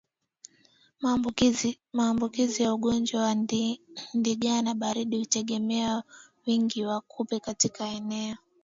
Maambukizi ya ugonjwa wa ndigana baridi hutegemea wingi wa kupe katika eneo